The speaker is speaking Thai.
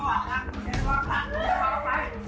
นักจิตเจ็บหรือนักจิต